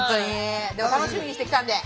楽しみにしてきたので。